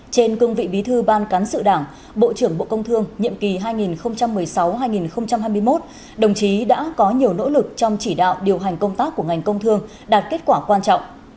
trên cương vị bí thư ban cán sự đảng bộ trưởng bộ công thương nhiệm kỳ hai nghìn một mươi sáu hai nghìn hai mươi một đồng chí đã có nhiều nỗ lực trong chỉ đạo điều hành công tác của ngành công thương đạt kết quả quan trọng